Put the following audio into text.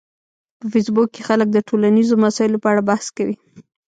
په فېسبوک کې خلک د ټولنیزو مسایلو په اړه بحث کوي